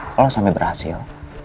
kalau sampai berhasil